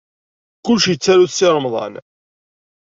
Kullec yettaru-t Si Remḍan.